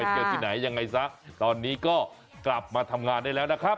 ตอนนี้ก็กลับมาทำงานได้แล้วนะครับ